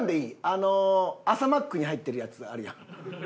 あの朝マックに入ってるやつあるやん？